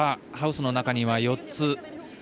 ハウスの中には４つ。